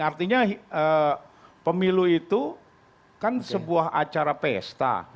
artinya pemilu itu kan sebuah acara pesta